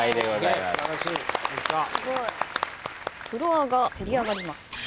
フロアがせり上がります。